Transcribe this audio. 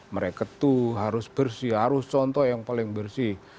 mereka tuh harus bersih harus contoh yang paling bersih